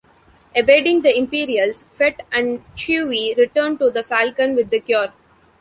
Evading the Imperials, Fett and Chewie return to the "Falcon" with the cure.